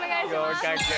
合格。